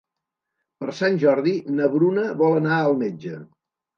Per Sant Jordi na Bruna vol anar al metge.